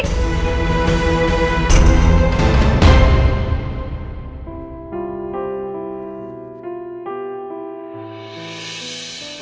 eh apa itu